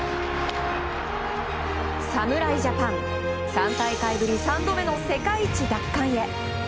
侍ジャパン、３大会ぶり３度目の世界一奪還へ。